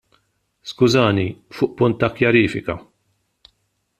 Skużani, fuq punt ta' kjarifika.